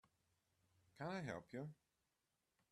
Can I help you?